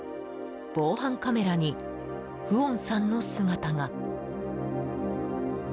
防犯カメラにフオンさんの姿が。